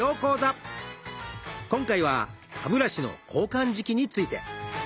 今回は歯ブラシの交換時期について。